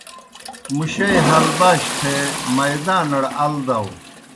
مُشَئی ہلباش تھے مائداݨَڑ ال داؤ۔